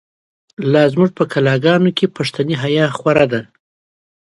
لازموږ په کلاګانو، پښتنی حیا خو ره ده